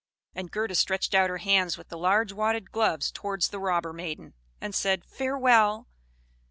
And Gerda stretched out her hands with the large wadded gloves towards the robber maiden, and said, "Farewell!"